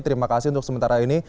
terima kasih untuk sementara ini